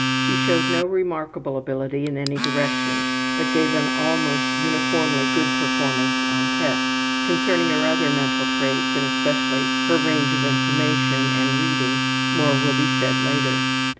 She showed no remarkable ability in any direction, but gave an almost uniformly good performance on tests. Concerning her other mental traits and especially her range of information and reading more will be said later.